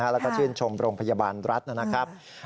แล้วก็ชื่นชมโรงพยาบาลรัฐนะครับ